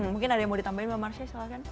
mungkin ada yang mau ditambahin mbak marsha